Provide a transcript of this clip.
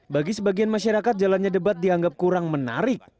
bagi sebagian masyarakat jalannya debat dianggap kurang menarik